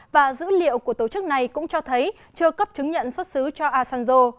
và dữ liệu của tổ chức này cũng cho thấy chưa cấp chứng nhận xuất xứ cho asanzo